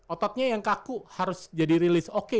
ototnya yang kaku harus jadi rilis oke